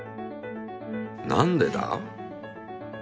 何でだ？